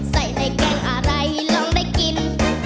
ใส่ในแกงอะไรลองได้กิน